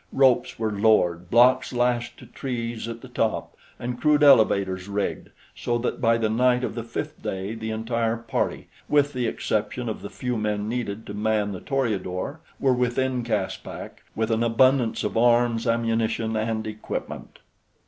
Ropes were lowered, blocks lashed to trees at the top, and crude elevators rigged, so that by the night of the fifth day the entire party, with the exception of the few men needed to man the Toreador, were within Caspak with an abundance of arms, ammunition and equipment.